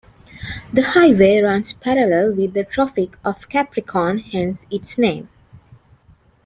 The highway runs parallel with the Tropic of Capricorn, hence its name.